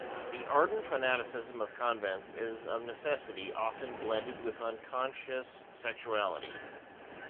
The ardent fanaticism of convents is of necessity often blended with unconscious sexuality.